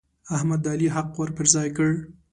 احمد د علي حق ور پر ځای کړ.